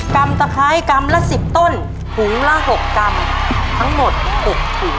กรรมตะไคร้กรรมละสิบต้นถุงละหกกรรมทั้งหมดหกถุง